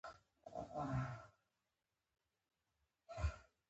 افغانستان کې د قومونه د پرمختګ لپاره ګټورې هڅې روانې دي.